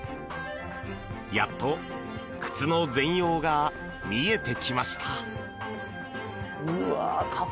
やっと靴の全容が見えてきました。